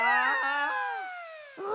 うわ！